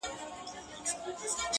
اوس پر ما لري،